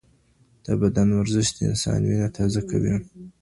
د بدن ورزش د انسان وینه تازه کوي.